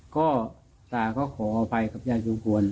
ก็ตาก็ขออภัยกับยายสุงควร